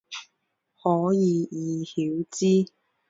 可以意晓之。